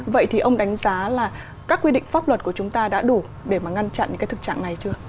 vậy thì ông đánh giá là các quy định pháp luật của chúng ta đã đủ để mà ngăn chặn cái thực trạng này chưa